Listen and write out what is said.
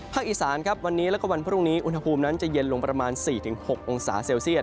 อีสานครับวันนี้แล้วก็วันพรุ่งนี้อุณหภูมินั้นจะเย็นลงประมาณ๔๖องศาเซลเซียต